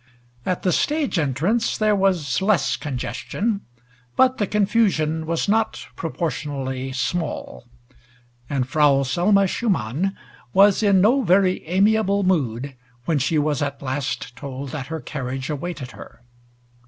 At the stage entrance there was less congestion, but the confusion was not proportionally small, and Frau Selma Schumann was in no very amiable mood when she was at last told that her carriage awaited her.